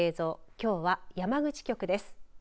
きょうは山口局です。